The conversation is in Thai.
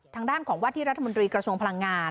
ทางด้านของว่าที่รัฐมนตรีกระทรวงพลังงาน